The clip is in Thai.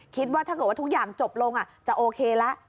คิดว่าถ้าเกิดว่าทุกอย่างจบลงจะโอเคแล้ว